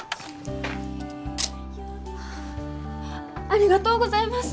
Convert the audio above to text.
ありがとうございます！